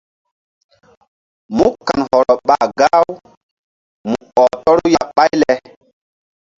Mú kan hɔrɔ ɓa gah-u mu ɔh tɔru ya ɓáy le.